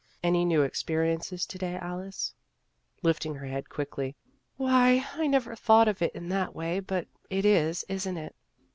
" Any new experiences to day, Alice ?" Lifting her head quickly, " Why, I never thought of it in that way, but it is, isn't it?"